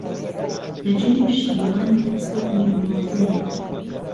لهجێی پشتیوان سەت نیمنازمی